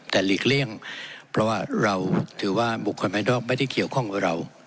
แต่หลีกเลี่ยงเพราะว่าเราถือว่าบุคคลภายนอกไม่ได้เกี่ยวข้องกับเรา